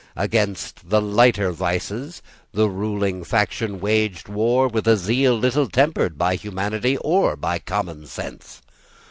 Against the lighter vices the ruling faction waged war with a zeal little tempered by humanity or by common sense.